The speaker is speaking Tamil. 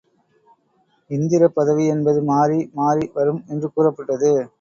இந்திரப்பதவி என்பது மாறி மாறி வரும் என்று கூறப்பட்டது.